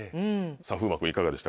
さぁ風磨君いかがでしたか？